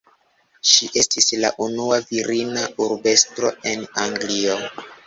Ŝi estis la unua virina urbestro en Anglio.